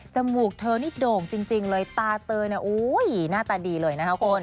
จมูกเธอนี่โด่งจริงเลยตาเตอร์น่าตาดีเลยนะค่ะคุณ